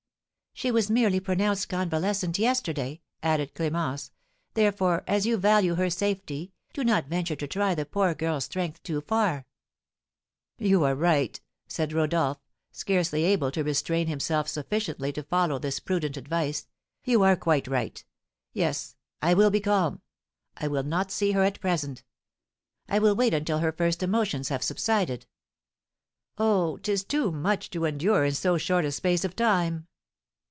"She was merely pronounced convalescent yesterday," added Clémence; "therefore, as you value her safety, do not venture to try the poor girl's strength too far." "You are right," said Rodolph, scarcely able to restrain himself sufficiently to follow this prudent advice, "you are quite right. Yes, I will be calm, I will not see her at present; I will wait until her first emotions have subsided. Oh, 'tis too much to endure in so short a space of time!"